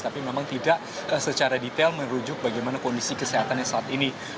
tapi memang tidak secara detail merujuk bagaimana kondisi kesehatannya saat ini